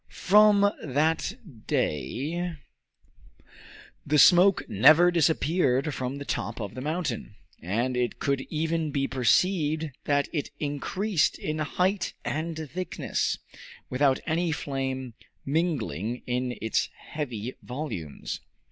From that day the smoke never disappeared from the top of the mountain, and it could even be perceived that it increased in height and thickness, without any flame mingling in its heavy volumes.